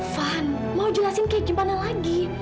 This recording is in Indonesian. van mau jelasin kayak gimana lagi